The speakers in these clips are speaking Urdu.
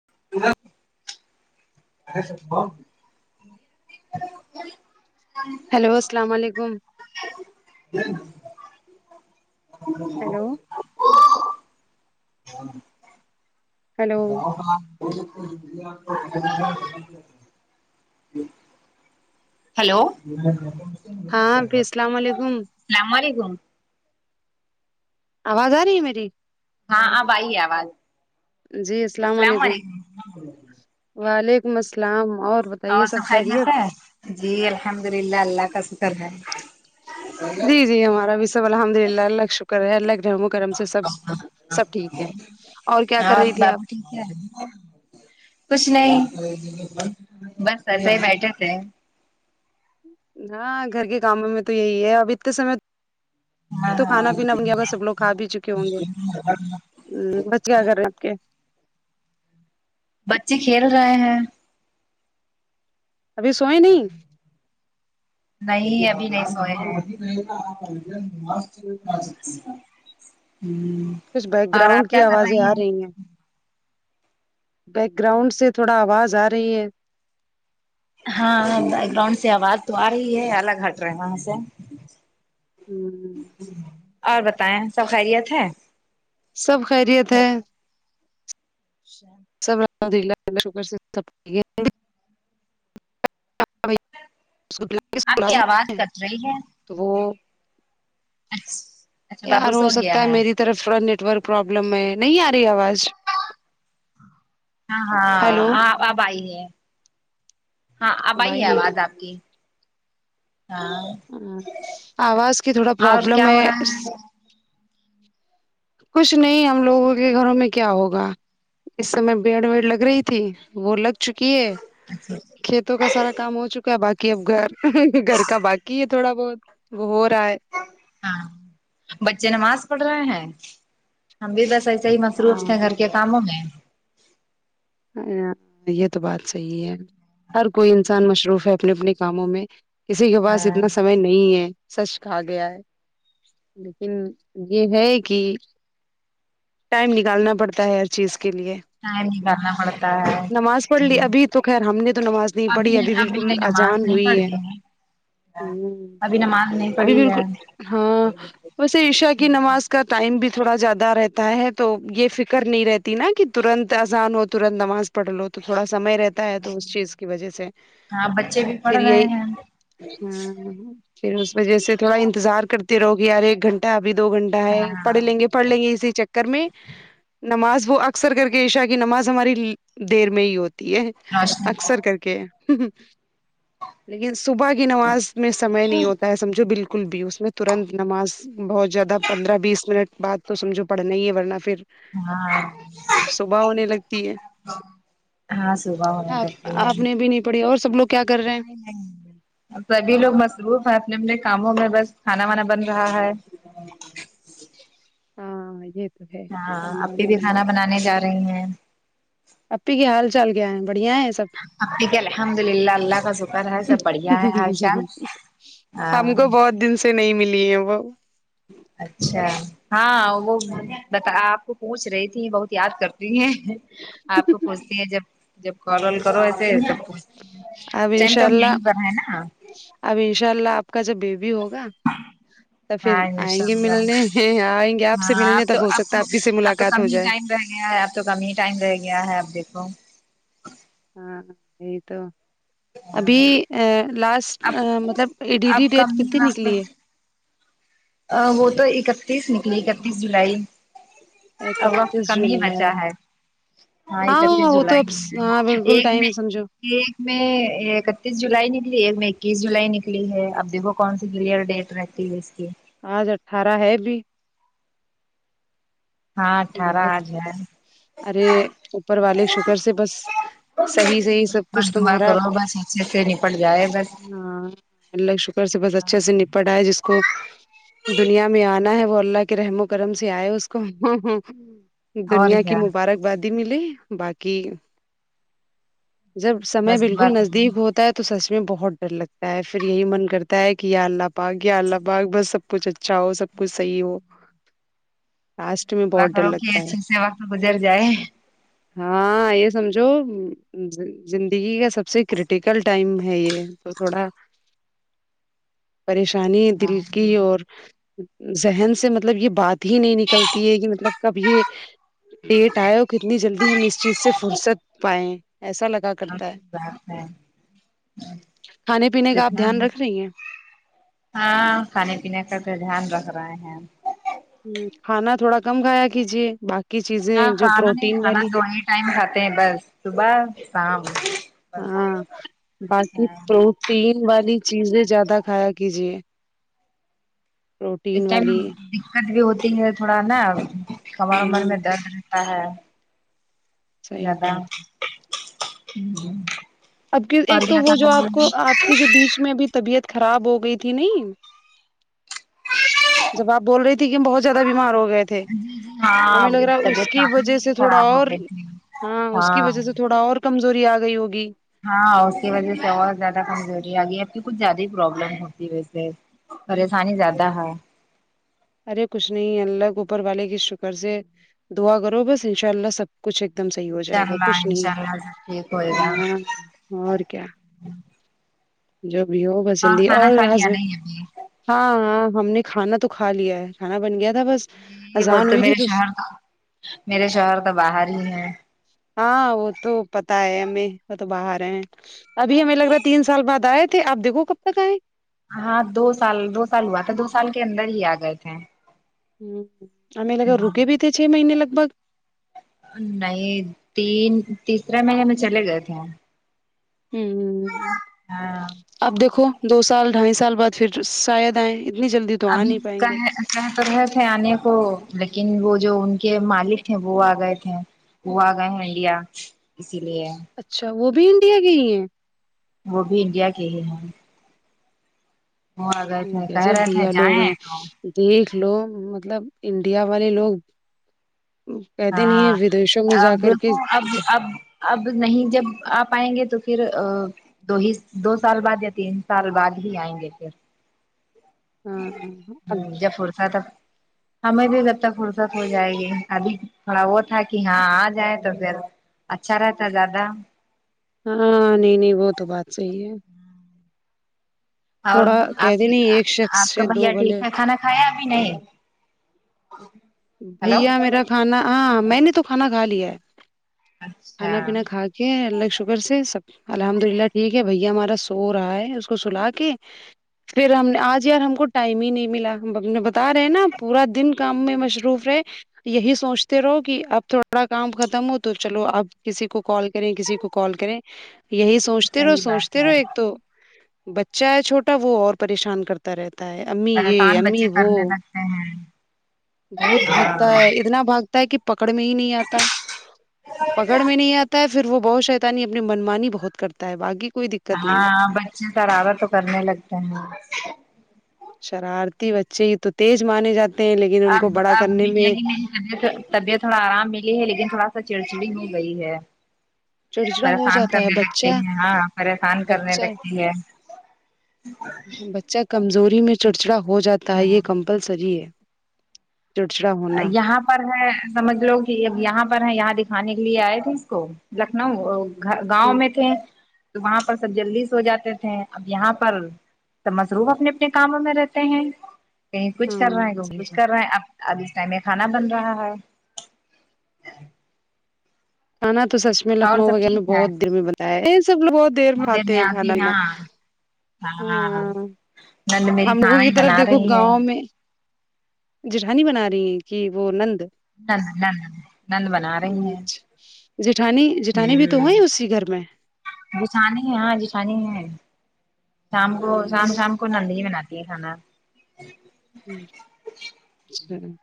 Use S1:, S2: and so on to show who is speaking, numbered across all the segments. S1: [unintelligible] [unintelligible]
S2: ہیلو السلام علیکم ہیلو
S1: [unintelligible]
S2: ہیلو
S1: [unintelligible] ہیلو
S2: ہاں آپی السلام وعلیکم
S1: سلام وعلیکم
S2: آواز آرہی ہے میری
S1: ہاں اب آئی ہے آواز
S2: جی السلام علیکم وعلیکم السلام اور بتائیے سب خیریت
S1: جی الحمد للہ اللہ کا شکر ہے
S2: جی جی ہمارا بھی سب الحمد للہ اللہ کا شکر ہے اللہ کی رحمت کرم سے سب سب ٹھیک ہے اور کیا کر رہی تھی
S1: بابو
S2: آپ
S1: ٹھیک کچھ نہیں بس ایسے ہی بیٹھے تھے
S2: ہاں گھر کے کاموں میں تو یہی ہے اب اتنے سمے
S1: ہاں
S2: تو
S1: ہاں
S2: کھانا پینا بن گیا سب لوگ کھا بھی چکے ہوں گے ہوں بچے کیا کر رہے ہیں آپ کے
S1: بچے کھیل رہے ہیں
S2: ابھی سوئے نہیں
S1: نہیں ابھی نہیں سوئے ہے
S2: ہوں،
S1: ہوں
S2: کچھ بیک گراؤنڈ کی آوازیں آرہی ہیں بیک گراؤنڈ سے تھوڑا آواز آرہی ہے
S1: ہاں بیک گراؤنڈ سے آواز تو آرہی ہے الگ ہٹ رہے ہیں وہاں سے
S2: ہوں
S1: اور بتائیں سب خیریت ہے
S2: سب خیریت ہے
S1: اچھا
S2: [unintelligible]
S1: آپ کی آواز کٹ رہی ہے
S2: [unintelligible]
S1: اچھا
S2: یار
S1: بابو سو
S2: ہوسکتا
S1: گیا
S2: ہے میری طرف تھوڑا نیٹ ورک پروابلم ہے نہیں آرہی آواز
S1: ہاں ہاں
S2: ہیلو
S1: آ اب آئی ہے ہاں آب آئی ہے
S2: بھائی
S1: آواز آپ کی ہاں
S2: ہاں آواز کی تھوڑا
S1: اور
S2: پروابلم
S1: کیا ہو
S2: ہے
S1: رہا ہے
S2: کچھ نہیں ہم لوگوں کے گھروں میں کیا ہوگا اس سمے بیڈ ویڈ لگ رہی تھی وہ لگ چکی ہے کھیت تو کا سارا کام ہو چکا ہے باقی اب گھر گھر کا باقی ہے تھوڑا بہت وہ ہورہا ہے
S1: ہاں بچے نماز پڑھ رہے ہیں ہم بھی بس ایسے ہی مصروف
S2: ہاں
S1: تھے گھر کے کاموں میں
S2: ہاں یہ تو بات صحیح ہے ہر کوئی انسان مشروف ہے اپنے اپنے کاموں میں کسی کے پاس
S1: ہاں
S2: اتنا سمے نہیں ہے سچ کھا گیا ہے لیکن یہ ہے کہ ٹائم نکالنا پڑتا ہے ہر چیز کے لیے
S1: ٹائم نکالنا پڑ
S2: نماز پڑھ لی ابھی تو خیر ہم نے تو نماز نہیں پڑھی ابھی بالکل اجان ہوئی ہے ہمم
S1: ابھی نماز نہیں
S2: ابھی
S1: پڑھی ہے
S2: بالکل ہاں ویسے عشا کی نماز کا ٹائم بھی تھوڑا زیادہ رہتا ہے تو یہ فکر نہیں رہتی ناں کہ ترنت زانو ترنت نماز پڑھ لو تو تھوڑا سمے رہتا ہے تو اس چیز کی وجہ سے
S1: ہاں بچے بھی پڑھ
S2: پھر
S1: رہے
S2: یہی
S1: ہیں
S2: ہاں پھر اس وجہ سے تھوڑا انتظار کرتے رہو کہ یار ایک گھنٹہ ابھی دو گھن ٹہ ہے پڑھ
S1: ہاں
S2: لیں گے پڑھ لیں گے اسی چکر میں نماز وہ اکثر کر کے عشاء کہ نماز ہماری دیر میں ہی ہوتی ہے
S1: روشنی
S2: اکثر کر کے لیکن صبح کی نماز میں سمئے نہیں ہوتا ہے سمجھو بالکل بھی اس میں ترنت نماز بہت زیادہ پندرہ بیس منٹ بعد تو سمجھو پڑھنا ہی ہے ورنہ پھر
S1: ہاں
S2: با ہونے لگتی ہے
S1: ہاں صبح ہونے
S2: آ
S1: لگتی
S2: آپ نے بھی نہیں بڑھیا اور سب لوگ کیا کر رہے ہیں
S1: ا سبھی لوگ مصروف ہیں اپنے اپنے کاموں میں بس کھانا وانا بن رہا ہے
S2: ہاں یہ تو ہے
S1: ہاں
S2: کھانا
S1: آپی
S2: وانا
S1: بھی
S2: بن
S1: کھانا بنانے جا رہی ہیں
S2: آپپی کی حال چال کیا ہے بڑھیا ہے سب
S1: اب ٹھیک ہے الحمد للہ اللہ کا شکر ہے سب بڑھیا ہے حال چال آ
S2: ہم
S1: ہاں
S2: کو بہت دن سے نہیں ملی ہے وہ
S1: اچھا ہاں وہ بتا آپ کو پوچھ رہی تھی بہت یاد کرتی ہیں آپ کو پوچھتی ہے جب جب کال وال کرو ایسے سب پوچھ
S2: اب انشاء
S1: جنٹم
S2: اللہ
S1: یہیں بنا ہے نا
S2: اب انشاء اللہ آپ کا جب بیبی ہوگا تو
S1: ہاں
S2: پھر آئیں
S1: انشاء
S2: گے
S1: اللہ
S2: ملنے آئیں گے آپ سے
S1: ہاں
S2: ملنے
S1: اب تو
S2: تب ہو
S1: اب
S2: سکتا ہے
S1: تو
S2: آپی سے
S1: اب تو
S2: ملاقات ہو
S1: کم ہی
S2: جائے
S1: ٹائم رہ گیا ہے اب تو کم ہی ٹائم رہ گیا ہے اب دیکھو
S2: ہاں یہ تو ابھی لاسٹ
S1: اب
S2: مطلب ای ڈی
S1: اب
S2: ڈی ڈیٹ
S1: کم
S2: کتنی نکلی ہے
S1: آ وہ تو اکتیس نکلی اکتیس جولائی
S2: ہے
S1: اب وقت
S2: اکتیس
S1: کم ہی بچا
S2: جولائی
S1: ہے ہاں اکتیس
S2: وہ تو
S1: جولائی
S2: اب ہاں
S1: میں
S2: بالکل
S1: ایک
S2: ٹائم
S1: میں
S2: سمجھو
S1: ایک میں اکتیس جولائی نکلی ایک میں اکیس جولائی نکلی ہے اب دیکھو کون سی کلیئر ڈیٹ رہتی فیسس کی
S2: آج اٹھارہ ہے بھی
S1: ہاں اٹھارہ
S2: بہت
S1: آج ہے
S2: ارے اوپر والے شکر سے بس صحیح صحیح سب کچھ تمہارا
S1: سیفی [unintelligible] نپٹ جائے بس
S2: ہاں اللہ شکر سے بس اچھے
S1: ہاں
S2: سے نپٹ اے جس کو دنیا میں آنا ہے وہ اللہ کے رحم و کرم سے آئے اس کو ہ ہ
S1: اور
S2: دنیا کی
S1: کیا
S2: مبارک بادی ملی باقی جب سمے
S1: بس دعا
S2: بالکل
S1: کرو
S2: نزدیک ہوتا ہے تو سچ میں بہت ڈر لگتا ہے پھر یہی من کرتا ہے کہ یا اللہ پاک یا اللہ پاک بس سب کچھ اچھا ہو سب کچھ صحیح ہو لاسٹ میں بہت ڈر
S1: کے
S2: لگتا ہے
S1: اچھے سے وقت گزر جائے
S2: [inaudible] ہاں یہ سمجھو زندگی کا سب سے کریٹیکل ٹائم ہے یہ تو تھوڑا پریشانی دل کی اور ذہن سے مطلب یہ بات ہی نہیں نکلتی ہے کہ مطلب کب یہ ڈیٹ آئے ہو کتنی جلدی ہم اس چیز سے فرصت پائے ایسا لگا
S1: اور
S2: کرتا ہے
S1: صحیح بات ہے
S2: کھانے پینے کا آپ
S1: جتنا
S2: دھیان رکھ رہی ہیں
S1: ہاں کھانے پینے کا تو دھیان رکھ رہے ہیں
S2: ہوں کھانا تھوڑا کم کھایا کیجیے باقی
S1: ہاں
S2: چیزیں جو
S1: کھانا نہیں
S2: پروٹین
S1: کھانا
S2: والی
S1: دو ہی ٹائم کھاتے ہیں بس صبح شام بس
S2: ہاں باقی
S1: ہاں
S2: تو ٹین والی چیزیں زیادہ کھایا کیجیے
S1: اس
S2: پروٹین
S1: ٹائم
S2: والی
S1: دقت بھی ہوتی ہے تھوڑا نا کمر ومر
S2: ہاں
S1: میں درد رہتا ہے
S2: صحیح
S1: زیادہ ہوں
S2: بات ہے
S1: ہوں
S2: اب کی ایک تو وہ جو آپ کو آپ کی جو بیچ میں بھی طبیعت خراب ہو گئی تھی نہیں جب آپ بول رہی تھی کہ ہم بہت زیادہ بیمار ہوگئے تھے
S1: جی جی
S2: ہمیں
S1: ہاں
S2: لگ رہا ہے اس
S1: طبیعت
S2: کی
S1: کافی
S2: وجہ
S1: میری
S2: سے تھوڑا
S1: خراب ہو
S2: اور
S1: گئی تھی
S2: ہاں اس کی وجہ سے تھوڑا اور کمزوری آ گئی ہوگی
S1: ہاں اس کی وجہ سے اور زیادہ کمزوری آگئی اب کی کچھ زیادہ ہی پرابلم ہوتی ہے ویسے پریشانی زیادہ ہے
S2: ارے کچھ نہیں اللہ کو اوپر والے کی شکر سے دعا کرو بس ان شاءاللہ سب کچھ ایکدم صحیح
S1: انشاء
S2: ہوجائے گا
S1: اللہ
S2: کچھ
S1: انشاء
S2: نہیں
S1: اللہ سب ٹھیک ہوئے گا
S2: ہاں اور کیا جو بھی ہو بس جلدی
S1: کھانا
S2: اور
S1: کھا
S2: ہس
S1: لیا نہیں ابھی
S2: ہاں ہاں ہم نے کھانا تو کھا لیا ہے کھانا بن گیا تھا بس
S1: جی وہ
S2: اذان
S1: تو
S2: ہوئی تھی
S1: میرے شوہر میرے شہر تو باہر ہی ہیں
S2: ہاں وہ تو پتا ہے ہمیں وہ تو باہر ہیں ابھی ہمیں لگ رہا تین سال بعد آئے تھے اب دیکھو کب تک آئیں
S1: ہاں دو سال دو سال ہوا تھا دو سال کے اندر ہی آگئے تھے
S2: ہمیں لگا رکے بھی تھے چھ مہینے لگ بھگ
S1: نہیں تین تیسرے مہینے میں چلے گئے تھے
S2: ہوں
S1: ہاں
S2: اب دیکھو دو سال ڈھائی سال بعد پھر شاید آئیں اتنی جلدی تو آ
S1: ابھی
S2: نہیں پائیں
S1: کا
S2: گے
S1: ہے کہ تو رہے تھے آنے کو لیکن وہ جو ان کے مالک تھے وہ آگئے تھے وہ آ گئے ہیں انڈیا اسی لیے
S2: اچھا وہ بھی انڈیا کے ہی ہیں
S1: وہ بھی انڈیا کے ہی ہیں وہ آ گئے تھے کہہ
S2: غضب
S1: رہے تھے
S2: بھیا لوگ
S1: جائیں
S2: ہیں
S1: تو
S2: دیکھ لو مطلب انڈیا والے لوگ کہتے نہیں ہیں
S1: ہاں
S2: ودیشوں میں جا
S1: اب
S2: کر کے
S1: دیکھو اب اب اب نہیں جب آپ آئیں گے تو پھر آ دو ہی دو سال بعد یا تین سال بعد ہی آئیں گے پھر
S2: ہاں اب
S1: ہوں جب فرصت ہو ہمیں بھی جب تک فرصت ہو جائیگی ابھی تھوڑا وہ تھا کہ ہاں آجائیں تو پھر اچھا رہتا زیادہ
S2: ہاں نہیں نہیں وہ تو بات صحیح ہے
S1: اور
S2: تھوڑا
S1: آپ
S2: کہتے نہیں
S1: کا
S2: ایک
S1: آ
S2: شخص
S1: آپ کا
S2: سے دو
S1: بھیا
S2: بھلے
S1: ٹھیک ہے کھانا کھایا ابھی نہیں ہلو
S2: بھیا میرا کھانا آں میں نے تو کھانا کھالیا ہے کھانا
S1: اچھا
S2: پینا کھا کے اللہ کے شکر سے سب الحمد للہ ٹھیک ہے بھیا ہمارا سورہا ہے اسکو سلا کے پھر ہم نے آج یار ہم کو ٹائم ہی نہیں ملا ہم ہم نے بتا رہے ہیں نا پورا دن کام میں مصروف رہے یہیں سوچتے رہو کہ اب تھوڑا کام ختم ہو تو چلو اب کسی کو کال کریں کسی کو کال کریں یہیں سوچتے رہو
S1: صحیح بات
S2: سوچتے رہو
S1: ہے
S2: ایک تو بچہ ہے چھوٹا وہ اور پریشان کر تا رہتا ہے امی یہ
S1: پریشان
S2: امی
S1: بچے
S2: وہ
S1: کرنے لگتے
S2: بہت بھاگتا
S1: ہیں
S2: ہے اتنا بھاگتا ہے کہ پکڑ میں ہی نہیں آتا پکڑ میں نہیں آتا ہے پھر وہ بہت شیطانی اپنی من مانی بہت کرتا ہے باقی کوئی دق
S1: ہاں بچے شارارت تو کرنے لگتے ہیں
S2: شرارتی بچے ہی تو تیز مانے جاتے ہیں لیکن ان کو بڑا کرنے میں
S1: طبت طبیعت تھوڑا آرام ملی ہے لیکن تھوڑا سا چڑچڑی ہو گئی ہے
S2: چڑچڑا ہو
S1: پریشان
S2: جاتا ہے
S1: کرنے لگتی
S2: بچہ
S1: ہیں ہاں پریشان کرنے
S2: بچہ
S1: لگتی ہے
S2: بچہ کمزوری میں چڑچڑا ہو جاتا ہے یہ کمپلسری ہے چڑچڑا ہونا
S1: یہاں پر ہے سمجھ لو کہ یہاں پر ہے یہاں دکھانے کے لیے آئے تھے اس کو لکھنؤ گھ
S2: ہاں
S1: گاؤں میں تھے تو وہاں پر سب جلدی سے سو جاتے تھے اب یہاں پر تو مصروف اپنے اپنے کاموں میں رہتے ہیں کہیں کچھ کر
S2: ہاں
S1: رہا ہے کہ
S2: صحیح
S1: کچھ
S2: بات
S1: کر رہا ہے اب اب اس ٹائم میں کھانا بن رہا ہے
S2: کھانا تو سچ میں
S1: اور
S2: لکھنؤ
S1: سب
S2: وغیرہ میں
S1: ٹھیک ہے
S2: بہت دیر میں بنتایا ہے یہ سب لوگ بہت دیر میں
S1: تھوڑی
S2: کھاتے تے ہیں کھانا وانا
S1: کہاں
S2: ہم لوگوں کی طرف دیکھو
S1: ہے
S2: گاؤں میں جٹھانی بنا رہی ہے کہ وہ نند ہ
S1: نند نند نند بنا رہی ہیں
S2: اچھا جٹھانی جٹھانی بھی تو وہیں ہے اسی گھر میں
S1: جیٹھانی ہے ہاں جیٹھانی ہے شام کو
S2: ہاں
S1: شام شام کو نند ہی بناتی ہے کھانا
S2: [unintelligible]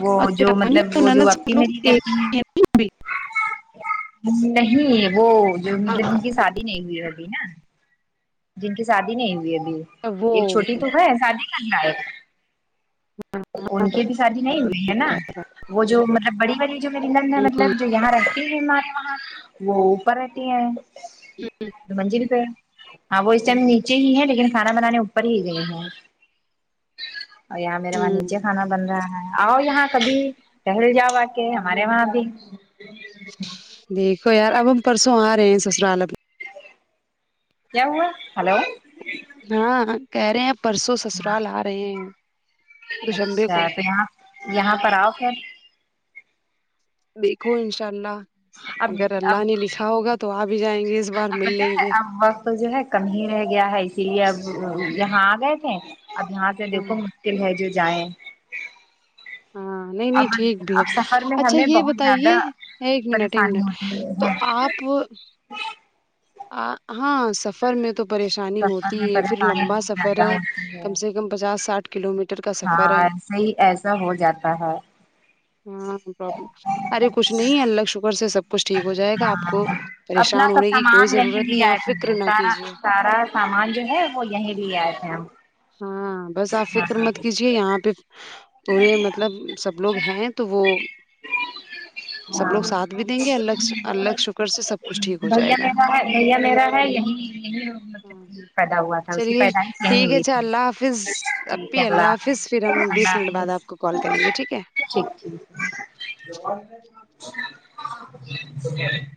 S1: وہ
S2: اچ
S1: جو
S2: رانی
S1: مطلب وہ جو
S2: سب
S1: اپپی
S2: لوگ
S1: میری
S2: ایک
S1: رہتی ہیں
S2: [unintelligible]
S1: نہیں وہ جو میری نند کی شادی نہیں ہوئی ابھی نا جن کی شادی نہیں ہوئی ابھی ایک چھوٹی تو ہے شادی کر نا ہے ان کے بھی شادی نہیں ہوئی ہے نا وہ جو مطلب بڑی والی جو میری نند ہے مطلب جو یہاں رہتی ہے ہمارے وہاں وہ اوپر رہتی ہیں
S2: [unintelligible]
S1: منجیل پے [unintelligible] ہاں وہ اس ٹائم نیچے ہی ہے لیکن کھانا بنانے اوپر ہی گئے ہیں اور یہاں میرے وہاں
S2: ہوں
S1: نیچے کھانا بن رہا ہے آؤ یہاں کبھی ٹہل جاؤ آ کے ہمارے وہاں بھی
S2: دیکھو یار اب ہم پرسوں آ رہے ہیں سسرال اب
S1: کیا ہوا ہلو
S2: ہاں کہہ رہے ہیں پرسوں
S1: ہاں
S2: سسرال آ رہے ہیں دو شمبے کو
S1: اچھا تو یہاں یہاں پر آؤ پھر
S2: دیکھو انشاء اللہ
S1: اب
S2: اگر اللہ
S1: اب
S2: نے لکھا ہوگا تو آ بھی جائیں گے اس بار مل لیں گے
S1: ہمارے پاس جو ہے کم ہی رہ گیا ہے اسی لیے اب یہاں آ گئے تھے اب یہاں سے
S2: ہاں
S1: دیکھو دل ہے جو جائیں
S2: ہاں نہیں
S1: اب
S2: نہیں ٹھیک بھی ہے
S1: اب سفر میں
S2: اچھا
S1: ہمیں
S2: یہ
S1: بہت زیادہ
S2: بتائیے ایک منٹ ایک
S1: پریشانی
S2: منٹ
S1: ہوتی
S2: تو آپ
S1: [unintelligible]
S2: ہاں سفر میں تو پریشانی ہوتی
S1: سفر میں
S2: ہے پھر
S1: پریشانی
S2: لمبا
S1: بہت
S2: سفر
S1: زیادہ
S2: ہے
S1: ہوتی ہے
S2: کم سے کم پچاس سٹاھ کلو می
S1: ہاں صحیح ایسا ہو جاتا ہے
S2: ہاں پرابلم ارے کچھ نہیں ہے اللہ شکر سے سب سب کچھ ٹھیک ہو جائے گا آپ کو
S1: ہاں اپنا
S2: پریشان
S1: سب
S2: ہونے کی کوئی
S1: سامان یہیں
S2: ضرورت
S1: بھی
S2: نہیں
S1: آئے
S2: آپ
S1: تھے
S2: فکر نہ
S1: سارا
S2: کیجیے
S1: سارا سامان جو ہے وہ یہیں بھی آئے تھے ہم
S2: ہاں بس آپ
S1: ہاں
S2: فکر مت
S1: ہاں
S2: کیجیے یہاں پہ پورے مطلب سب لوگ ہیں تو وہ سب
S1: ہاں
S2: لوگ ساتھ بھی دیں گے اللہ کا- اللہ کا شکر سے سب کچھ ٹھیک ہو
S1: بھیا
S2: جائے گا
S1: میرا ہے بھیا میرا ہے یہیں نہیں مطلب
S2: ہاں
S1: کہ پیدا ہوا تھا اس کی
S2: چلیے
S1: پیدائش یہی
S2: ٹھیک ہے
S1: ہوئی تھی
S2: اچھا اللہ حافظ اپی اللہ حافظ پھر ہم بیس منٹ بعد
S1: یس
S2: آپ کو کال کریں گے ٹھیک ہے
S1: ٹھیک ٹھیک ہے [inaudible]